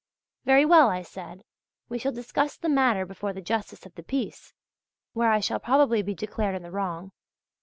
"Very well," I said, "we shall discuss the matter before the Justice of the Peace" (where I shall probably be declared in the wrong).